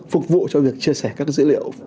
phục vụ cho việc chia sẻ các dữ liệu